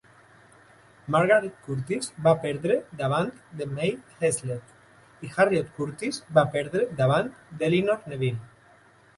Margaret Curtis va perdre davant de May Hezlet i Harriot Curtis va perdre davant d'Elinor Neville.